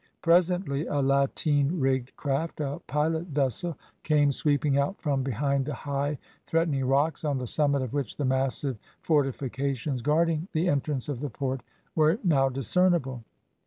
Presently a lateen rigged craft, a pilot vessel, came sweeping out from behind the high, threatening rocks, on the summit of which the massive fortifications guarding the entrance of the port were now discernible.